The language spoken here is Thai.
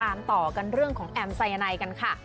ตามต่อกันเรื่องของแอมไซยาไนกันค่ะ